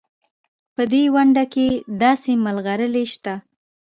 په دې ونډه کې داسې ملغلرې شته.